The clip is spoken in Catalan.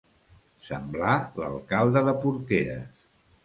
Semblar l'alcalde de Porqueres.